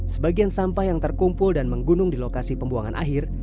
sebagian sampah yang terkumpul dan menggunung di lokasi pembuangan akhir